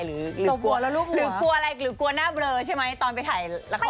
หรือกลัวหน้าเบลอใช่ไหมตอนไปถ่ายละคร